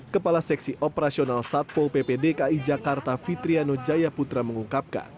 kepala seksi operasional satpo pp dki jakarta fitriano jayaputra mengungkapkan